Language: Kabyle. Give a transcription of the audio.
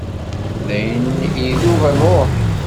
Dayen idub rruḥ.